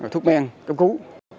thuốc men cấp cứu